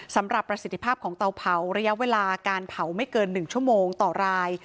ประสิทธิภาพของเตาเผาระยะเวลาการเผาไม่เกิน๑ชั่วโมงต่อราย